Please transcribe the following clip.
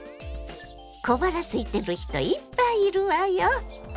小腹すいてる人いっぱいいるわよ。